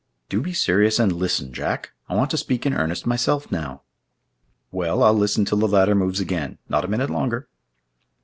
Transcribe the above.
"Do be serious and listen, Jack! I want to speak in earnest myself now." "Well, I'll listen till the ladder moves again, not a minute longer."